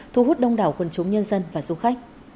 thu hút đông đảo quần chúng nhân dân và du khách